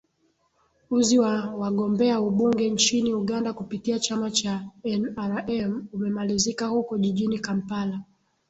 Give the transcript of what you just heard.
uzi wa wagombea ubunge nchini uganda kupitia chama cha nrm umemalizika huko jijini kampala